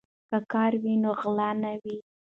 که کار وي نو غال نه وي.